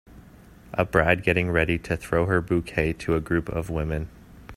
A bride getting ready to throw her bouquet to a group of women.